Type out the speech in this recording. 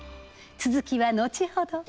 続きはのちほど。